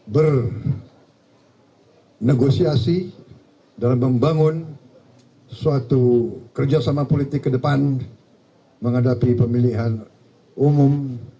bernegosiasi dalam membangun suatu kerjasama politik ke depan menghadapi pemilihan umum dua ribu dua puluh empat